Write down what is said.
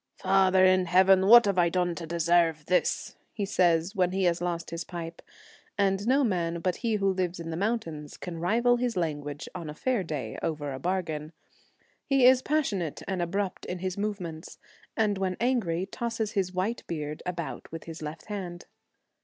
Father in heaven, what have I done to deserve this ?' he says when he has lost his pipe ; and no man but he who lives on the mountain can rival his language on a fair day over a bargain. He is passionate and abrupt in his movements, and when angry tosses his white beard about with his left hand.